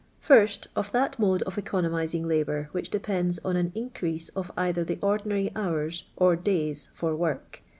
First, of that mode of economizing labour which depends on an increase of either the ordinary hours or days for vork.